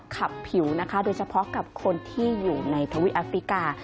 ขับผิวนะคะโดยเฉพาะกับคนที่อยู่ในทวีปแอฟริกา